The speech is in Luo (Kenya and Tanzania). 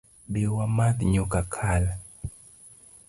Bi wamadh nyuka kal